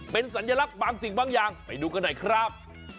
เป็นสัญลักษณ์บางสิ่งบางอย่างไปดูกันหน่อยครับ